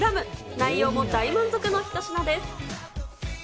内容も大満足の一品です。